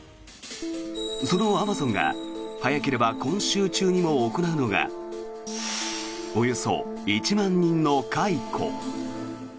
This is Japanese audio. そのアマゾンが早ければ今週中にも行うのがおよそ１万人の解雇。